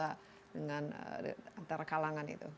bisa dengan antara kalangan itu